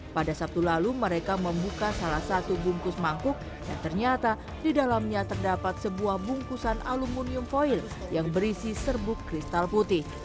pada sabtu lalu mereka membuka salah satu bungkus mangkuk yang ternyata di dalamnya terdapat sebuah bungkusan aluminium foil yang berisi serbuk kristal putih